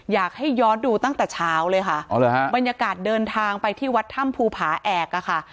อยากให้ย้อนดูตั้งแต่เช้าเลยค่ะอ๋อเหรอฮะบรรยากาศเดินทางไปที่วัดถ้ำภูผาแอกอะค่ะ